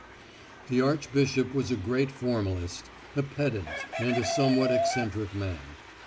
The archbishop was a great formalist, a pedant, and a somewhat eccentric man.